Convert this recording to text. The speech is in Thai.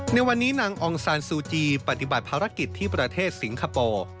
ในวันนี้นางองซานซูจีปฏิบัติภารกิจที่ประเทศสิงคโปร์